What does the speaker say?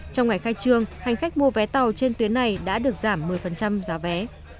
trong ngày khai trương hành khách mua vé tàu trên tuyến này đã được giảm một mươi giá vé